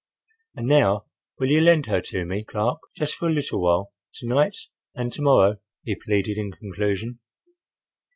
"—And now will you lend her to me, Clark, for just a little while to night and to morrow?" he pleaded in conclusion.